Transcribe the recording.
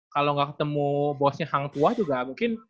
kalau nggak ketemu bosnya hang tuah juga mungkin